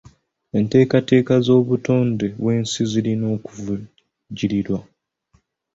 Enteekateeka z'obutonde bw'ensi zirina okuvujjirirwa.